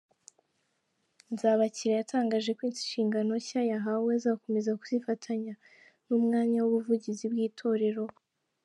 Nzabakira yatangaje ko inshingano nshya yahawe azakomeza kuzifatanya n’umwanya w’ubuvugizi bw’itorero.